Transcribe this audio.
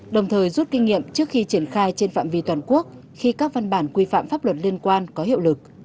đồng thời rút kinh nghiệm trước khi triển khai trên phạm vi toàn quốc khi các văn bản quy phạm pháp luật liên quan có hiệu lực